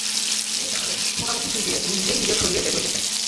তিনি জানালেন, সোনামুখী সুই দিয়ে তিনি নিজেই নিজের শরীরে ট্যাটু এঁকেছেন।